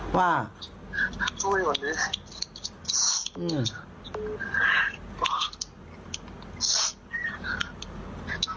ขอบใจไหม